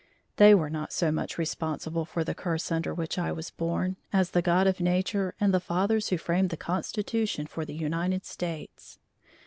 They were not so much responsible for the curse under which I was born, as the God of nature and the fathers who framed the Constitution for the United States.